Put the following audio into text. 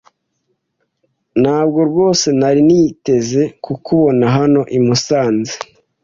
Ntabwo rwose nari niteze kukubona hano i Musanze.